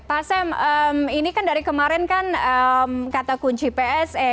pak sam ini kan dari kemarin kan kata kunci pse